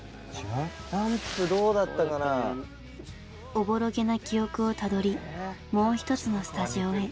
おぼろげな記憶をたどりもう一つのスタジオへ。